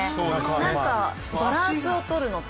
なんかバランスを取るのと。